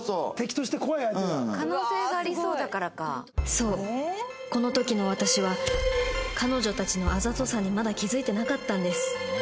そうこの時の私は彼女たちのあざとさにまだ気付いてなかったんです